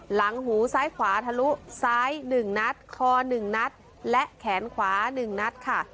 หลังหูซ้ายขวาทะลุซ้าย๑นัดคอ๑นัดและแขนขวา๑นัดค่ะ